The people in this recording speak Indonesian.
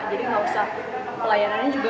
jadi nggak usah pelayanannya juga